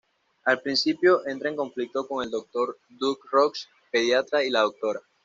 Al principio, entra en conflicto con el Dr. Doug Ross, pediatra, y la Dra.